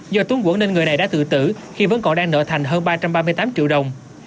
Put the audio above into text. do tốn quẩn nên người này đã tự tử khi vẫn còn đang nợ thành hơn ba trăm ba mươi tám triệu đồng